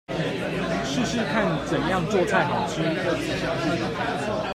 試試看怎樣做菜好吃